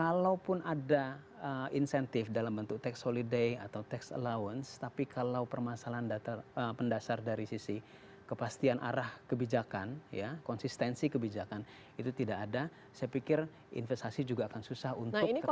kalaupun ada insentif dalam bentuk tax holiday atau tax allowance tapi kalau permasalahan data pendasar dari sisi kepastian arah kebijakan konsistensi kebijakan itu tidak ada saya pikir investasi juga akan susah untuk terkonek